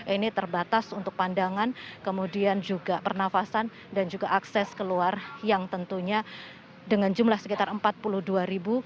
ini terbatas untuk pandangan kemudian juga pernafasan dan juga akses keluar yang tentunya dengan jumlah sekitar empat puluh dua ribu